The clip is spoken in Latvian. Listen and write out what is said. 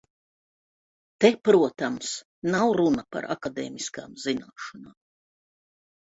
Te, protams, nav runa par akadēmiskām zināšanām.